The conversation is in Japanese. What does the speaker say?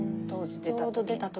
ちょうど出た時？